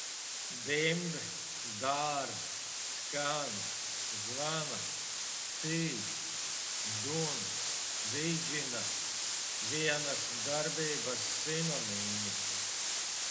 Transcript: Dimd, dārd, skan, zvana, sīc, dun, vidžina - vienas darbības sinonīmi.